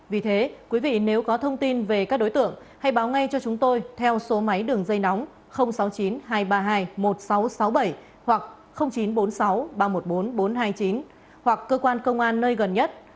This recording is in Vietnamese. vì thế quý vị nếu có thông tin về các đối tượng hãy báo ngay cho chúng tôi theo số máy đường dây nóng sáu mươi chín hai trăm ba mươi hai một nghìn sáu trăm sáu mươi bảy hoặc chín trăm bốn mươi sáu ba trăm một mươi bốn bốn trăm hai mươi chín hoặc cơ quan công an nơi gần nhất